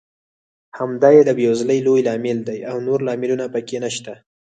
همدا یې د بېوزلۍ لوی لامل دی او نور لاملونه پکې نشته.